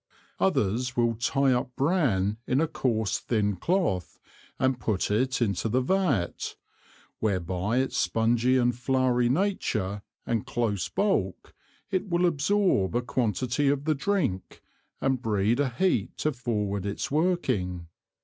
Others will tye up Bran in a coarse thin Cloth and put it into the Vat, where by its spungy and flowery Nature and close Bulk it will absorp a quantity of the Drink, and breed a heat to forward its working.